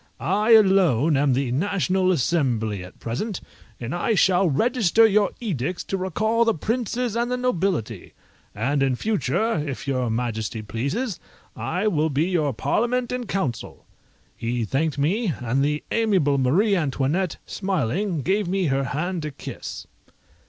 I alone am the National Assembly at present, and I shall register your edicts to recall the princes and the nobility; and in future, if your majesty pleases, I will be your Parliament and Council." He thanked me, and the amiable Marie Antoinette, smiling, gave me her hand to kiss.